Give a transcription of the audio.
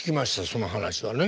その話はね。